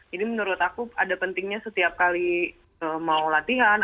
jadi menurut aku ada pentingnya setiap kali mau latihan